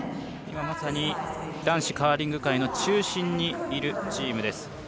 まさに男子カーリング界の中心にいるチームです。